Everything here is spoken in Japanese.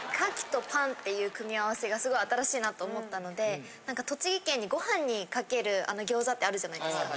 牡蠣とパンっていう組み合わせがすごい新しいなと思ったので何か栃木県にご飯にかける餃子ってあるじゃないですか。